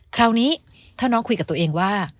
คราวนี้ถ้าน้องคุยกับตัวเองว่า